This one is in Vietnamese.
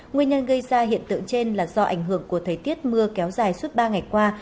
nguyên nhân gây ra hiện tượng trên là do ảnh hưởng của thời tiết mưa kéo dài suốt ba ngày qua